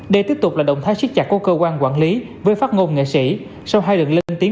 đây tiếp tục là động thái siết chặt của cơ quan quản lý với phát ngôn nghệ sĩ sau hai đường linh tiến